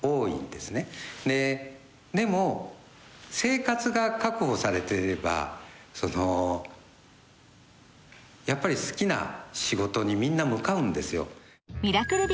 でも生活が確保されていればやっぱり好きな仕事にみんな向かうんですよ。